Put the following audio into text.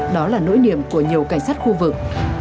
đó là nỗi niềm của nhiều cảnh sát khu vực